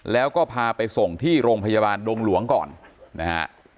แล้วก็พาไปส่งที่โรงพยาบาลดงหลวงก่อนนะฮะ